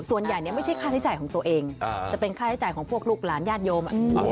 ส่วนใหญ่ไม่ใช่ค่าใช้จ่ายของตัวเองจะเป็นค่าใช้จ่ายของพวกลูกหลานญาติโยม